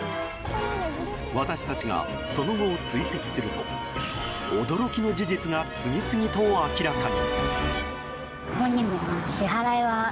私たちが、その後を追跡すると驚きの事実が次々と明らかに。